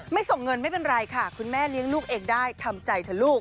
ส่งเงินไม่เป็นไรค่ะคุณแม่เลี้ยงลูกเองได้ทำใจเถอะลูก